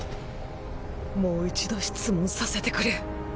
もう一度質問させてくれ。